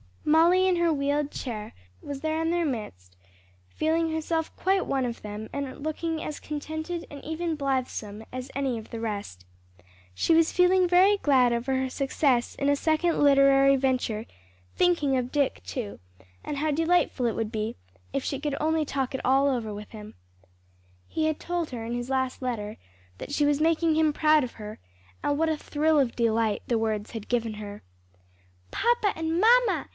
Molly in her wheeled chair, was there in their midst, feeling herself quite one of them and looking as contented and even blithesome as any of the rest. She was feeling very glad over her success in a second literary venture, thinking of Dick too, and how delightful it would be if she could only talk it all over with him. He had told her in his last letter that she was making him proud of her, and what a thrill of delight the words had given her. "Papa and mamma!"